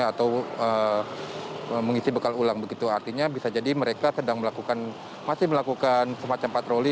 atau mengisi bekal ulang begitu artinya bisa jadi mereka sedang melakukan masih melakukan semacam patroli